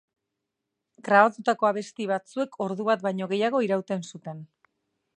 Grabatutako abesti batzuek ordu bat baino gehiago irauten zuten.